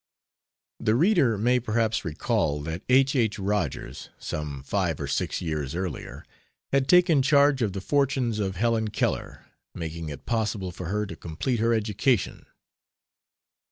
The reader may perhaps recall that H. H. Rogers, some five or six years earlier, had taken charge of the fortunes of Helen Keller, making it possible for her to complete her education.